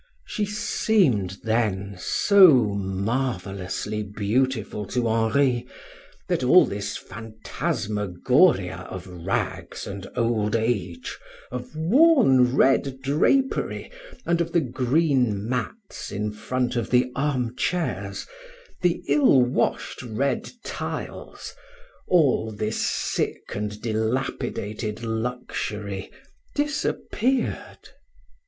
She seemed then so marvelously beautiful to Henri, that all this phantasmagoria of rags and old age, of worn red drapery and of the green mats in front of the armchairs, the ill washed red tiles, all this sick and dilapidated luxury, disappeared.